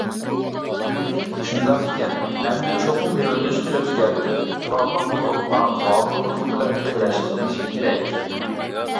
شۇنداق ئىكەن ئەمدى چوقۇم يۆنىلىشنى ئۆزگەرتىپ، قوراللىق گۇرۇھلار باتۇرلۇق بىلەن كۈرەش قىلىشى كېرەك.